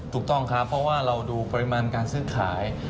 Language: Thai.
ถูกต้องครับเพราะว่าเราดูปริมาณการซื้อขาย